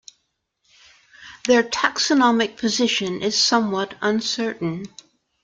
Their taxonomic position is somewhat uncertain.